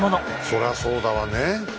そりゃそうだわね。